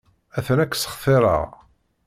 Atan ad k-ssextireɣ.